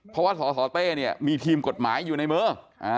เพราะว่าสสเต้เนี่ยมีทีมกฎหมายอยู่ในมือ